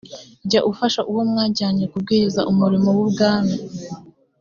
jya ufasha uwo mwajyanye kubwiriza umurimo w’ubwami